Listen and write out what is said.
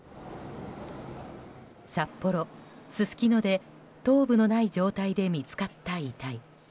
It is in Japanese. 札幌・すすきので頭部のない状態で見つかった遺体。